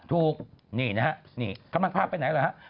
ถูกนี่นะฮะเขามาพาไปไหนแล้วครับ